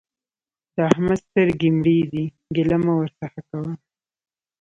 د احمد سترګې مړې دي؛ ګيله مه ورڅخه کوه.